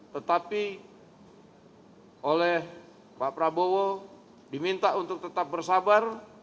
tetapi oleh pak prabowo diminta untuk tetap bersabar